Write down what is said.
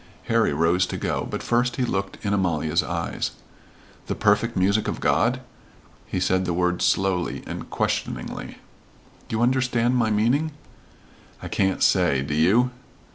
Harry rose to go, but first he looked in Amalia's eyes. "The perfect Music of God?" He said the words slowly and questioningly. "You understand my meaning?" "I can't say. Do you?"